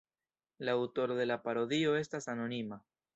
La aŭtoro de la parodio estas anonima.